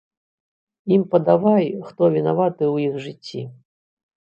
Ім падавай, хто вінаваты ў іх жыцці.